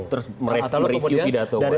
terus mereview pidato kemarin